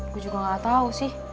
gue juga gak tahu sih